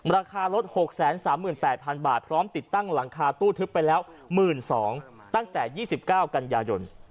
ราคารถ๖๓๘๐๐๐บาทพร้อมติดตั้งหลังคาตู้ทึบไปแล้ว๑๒๐๐ตั้งแต่๒๙กันยายน